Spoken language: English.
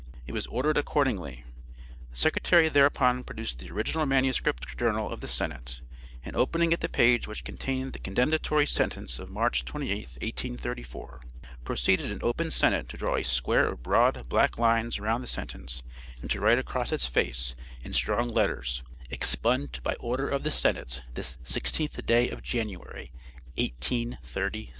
It was ordered accordingly. The secretary thereupon produced the original manuscript journal of the Senate, and opening at the page which contained the condemnatory sentence of March 28, 1834, proceeded in open Senate to draw a square of broad black lines around the sentence, and to write across its face in strong letters: EXPUNGED BY ORDER OF THE SENATE THIS 16TH DAY OF JANUARY, 1837. HENRY CLAY.